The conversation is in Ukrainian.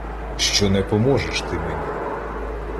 Що не поможеш ти мені.